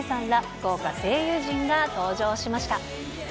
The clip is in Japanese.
豪華声優陣が登場しました。